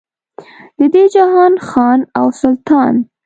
د دې جهان خان او سلطان.